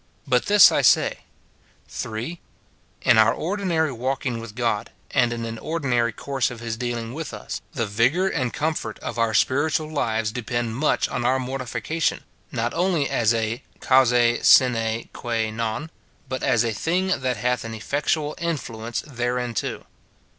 But this I say, — 178 MORTIFICATION OF 3. In our ordinary walking with God, and in an ordi nary course of his dealing with us, the vigour and com fort of our spiritual lives depend much on our mortifica tion, not only as a " causa sine qua non," but as a thing that hath an eifectual influence thereinto.